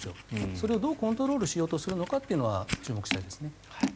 それをどうコントロールしようとするか注目したいですね。